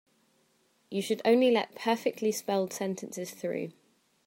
You should only let perfectly spelled sentences through.